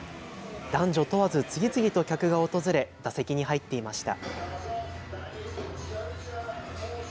男女問わず次々と客が訪れ打席に入っていました。